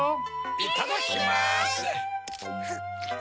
いただきます！